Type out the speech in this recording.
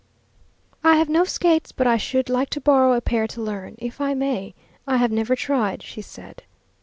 "I have no skates, but I should like to borrow a pair to learn, if I may. I have never tried," she said.